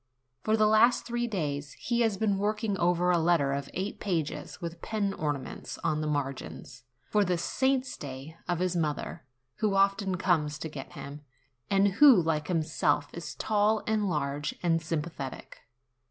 For the last three days he had been working over a letter of eight pages, with pen ornaments on the margins, for the saints' day of his mother, who often comes to get him, and who, like himself, is tall and large and sympathetic.